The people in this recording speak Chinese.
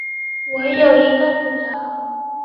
我有一个女儿